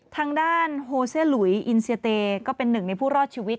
ทางด้านโฮเซี่หลุยอินเซียเตก็เป็นหนึ่งในผู้รอดชีวิต